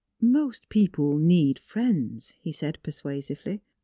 " Most people need friends," he said persua sively.